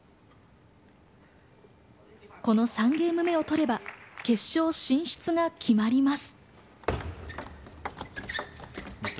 この３ゲーム目を取れば決勝進出が決まります。